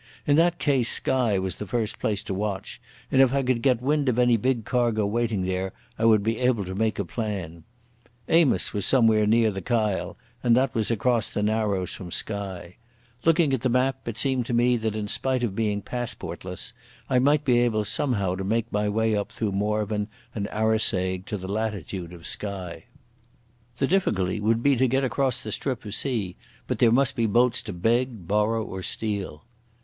In that case Skye was the first place to watch, and if I could get wind of any big cargo waiting there I would be able to make a plan. Amos was somewhere near the Kyle, and that was across the narrows from Skye. Looking at the map, it seemed to me that, in spite of being passportless, I might be able somehow to make my way up through Morvern and Arisaig to the latitude of Skye. The difficulty would be to get across the strip of sea, but there must be boats to beg, borrow or steal.